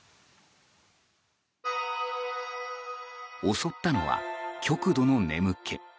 襲ったのは極度の眠気。